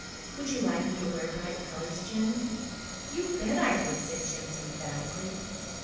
"Would you like me to wear bright colors, Jims?" "You bet I would," said Jims emphatically.